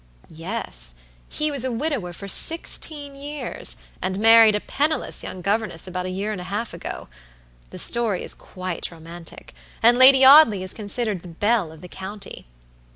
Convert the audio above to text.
"Yes. He was a widower for sixteen years, and married a penniless young governess about a year and a half ago. The story is quite romantic, and Lady Audley is considered the belle of the county.